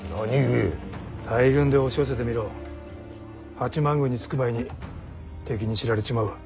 八幡宮に着く前に敵に知られちまうわ。